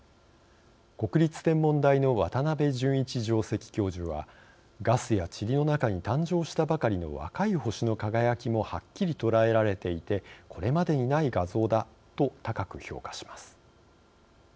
国立天文台の渡部潤一上席教授は「ガスやちりの中に誕生したばかりの若い星の輝きもはっきり捉えられていてこれまでにない画像だ」と高く評価します。